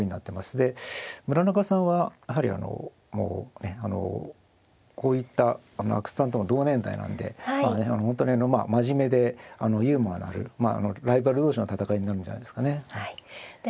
で村中さんはやはりあのこういった阿久津さんとも同年代なんで本当にまあ真面目でユーモアのあるライバル同士の戦いになるんじゃないですかね。